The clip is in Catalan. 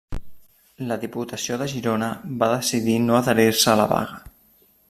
La Diputació de Girona va decidir no adherir-se a la vaga.